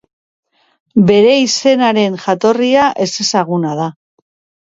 Bere izenaren jatorria ezezaguna da.